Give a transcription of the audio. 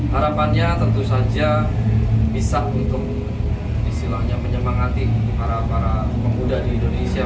harapannya tentu saja bisa untuk menyenangkan para pemuda di indonesia